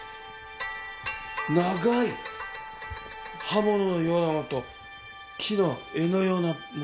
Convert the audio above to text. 長い刃物のようなのと木の柄のようなものに分かれている。